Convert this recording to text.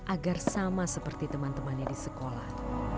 agar sama seperti teman temannya di sekolah